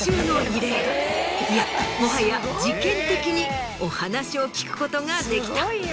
いやもはや事件的にお話を聞くことができた。